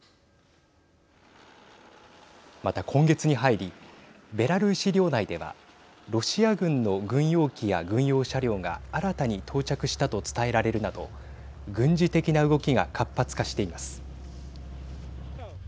また今月に入りベラルーシ領内ではロシア軍の軍用機や軍用車両が新たに到着したと伝えられるなど軍事的な動きが活発化しています。